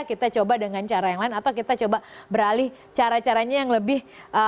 kita coba dengan cara yang lain atau kita coba beralih cara caranya yang lebih